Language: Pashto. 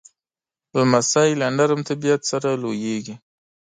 لمسی له نرم طبیعت سره لویېږي.